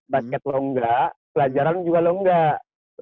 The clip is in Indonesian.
basket lo nggak pelajaran juga lo nggak